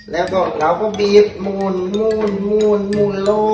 แล้วเราก็บีบมามูนลง